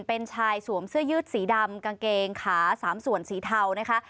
เป็นชายสวมเสื้อยืดสีดำกางเกงขา๓ส่วนสีเทานะคะ